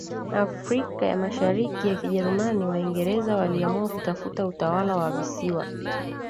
Afrika ya Mashariki ya Kijerumani waingereza waliamua kutafuta utawala wa visiwa